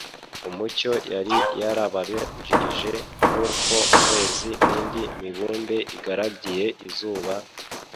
umucyo yari yarababanjirije. Nk'uko ukwezi n'indi mibumbe igaragiye izuba,